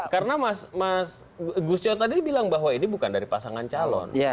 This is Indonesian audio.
karena mas gusjo tadi bilang bahwa ini bukan dari pasangan calon